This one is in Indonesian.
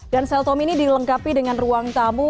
dan sel tommy ini dilengkapi dengan ruang tamu